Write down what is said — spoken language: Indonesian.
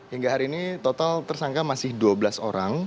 hingga hari ini total tersangka masih dua belas orang